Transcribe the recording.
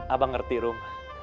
abang ngerti rum